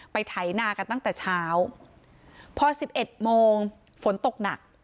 ไถนากันตั้งแต่เช้าพอสิบเอ็ดโมงฝนตกหนัก